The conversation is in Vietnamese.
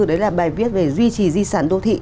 đấy là bài viết về duy trì di sản đô thị